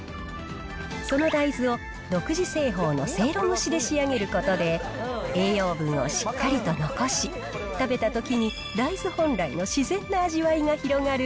その大豆を、独自製法のせいろ蒸しで仕上げることで、栄養分をしっかりと残し、食べたときに大豆本来の自然な味わいが広がる、